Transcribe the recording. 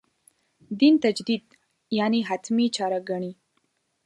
دین تجدید «حتمي» چاره ګڼي.